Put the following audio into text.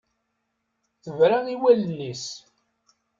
Tebra i wallen-is.